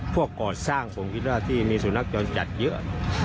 ก่อสร้างผมคิดว่าที่มีสุนัขจรจัดเยอะ